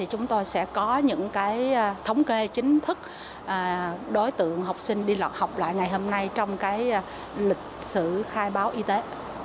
chúng tôi sẽ có những thống kê chính thức đối tượng học sinh đi lọt học lại ngày hôm nay trong lịch sử khai báo y tế